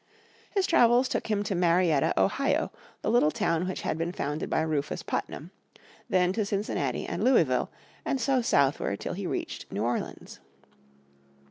His travels took him to Marietta, Ohio, the little town which had been founded by Rufus Putnam; then to Cincinnati and Louisville, and so southward till he reached New Orleans.